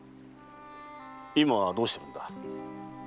今はどうしてるんだ？